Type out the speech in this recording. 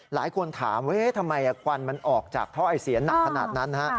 หลายคนถามว่าทำไมควันมันออกจากท่อไอเสียหนักขนาดนั้น